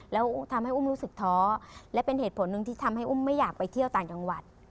แล้วอุ้มทำให้อุ้มรู้สึกท้อและเป็นเหตุผลหนึ่งที่ทำให้อุ้มไม่อยากไปเที่ยวต่างจังหวัด